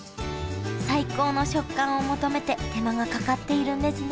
最高の食感を求めて手間がかかっているんですね